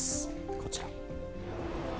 こちら。